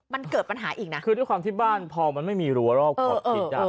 มันเกิดปัญหาอีกนะคือด้วยความที่บ้านพอมันไม่มีรัวรอบขอบชิดอ่ะ